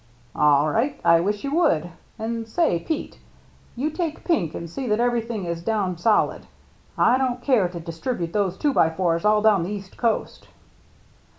"All right. I wish you would. And say, Pete, you take Pink and see that everything is down solid. I don't care to distribute those two by fours all down the east coast."